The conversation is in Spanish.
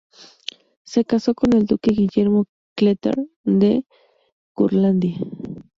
Se casó con el duque Guillermo Kettler de de Curlandia.